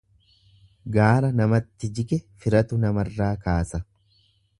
Gaara namatti jige firatu namarraa kaasa.